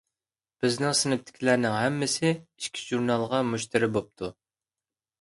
بىزنىڭ سىنىپتىكىلەرنىڭ ھەممىسى ئىككى ژۇرنالغا مۇشتەرى بوپتۇ.